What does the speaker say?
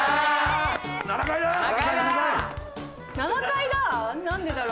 「７階だ」？